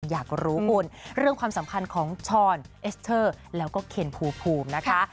อยากรู้คุณเรื่องความสัมพันธ์ของช้อนเอสเตอร์แล้วก็เคนภูมินะคะ